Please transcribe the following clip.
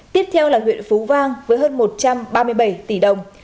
tiếp theo là huyện phú vang với hơn một trăm ba mươi bảy tỷ đồng